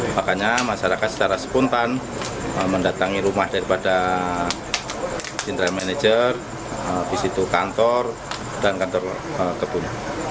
makanya masyarakat secara spontan mendatangi rumah daripada general manager di situ kantor dan kantor kebun